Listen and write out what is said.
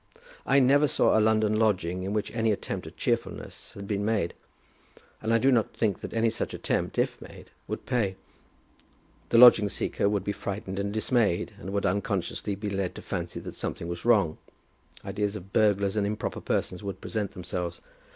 I never saw a London lodging in which any attempt at cheerfulness had been made, and I do not think that any such attempt, if made, would pay. The lodging seeker would be frightened and dismayed, and would unconsciously be led to fancy that something was wrong. Ideas of burglars and improper persons would present themselves.